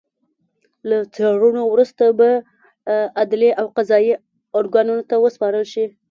له څېړنو وروسته به عدلي او قضايي ارګانونو ته وسپارل شي